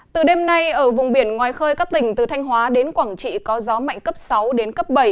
từ đêm nay ở vùng biển ngoài khơi các tỉnh từ thanh hóa đến quảng trị có gió mạnh cấp sáu đến cấp bảy